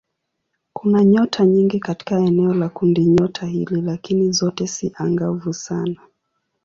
Kuna nyota nyingi katika eneo la kundinyota hili lakini zote si angavu sana.